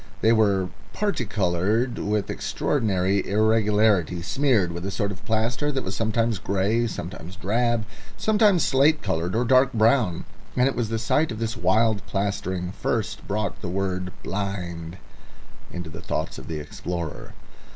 They were particoloured with extraordinary irregularity, smeared with a sort of plaster that was sometimes grey, sometimes drab, sometimes slate coloured or dark brown; and it was the sight of this wild plastering first brought the word "blind" into the thoughts of the explorer.